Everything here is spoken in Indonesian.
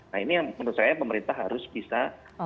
nah ini yang menurut saya pemerintah harus bisa